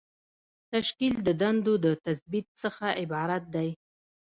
تشکیل د دندو د تثبیت څخه عبارت دی.